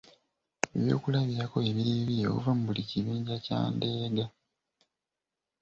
Ebyokulabirako bibiri bibiri okuva mu buli kibinja kya ndeega.